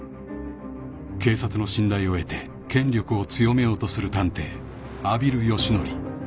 ［警察の信頼を得て権力を強めようとする探偵阿比留佳則］